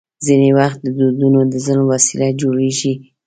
ځینې وخت دودونه د ظلم وسیله جوړېږي.